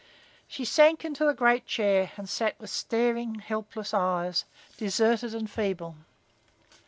She sank into the great chair and sat with staring, helpless eyes, deserted and feeble.